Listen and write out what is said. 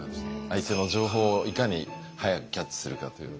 相手の情報をいかに早くキャッチするかという。